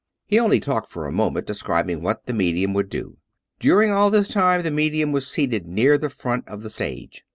He only talked for a moment, describing what the medium would do. During all this time the medium was seated near the front of the stage.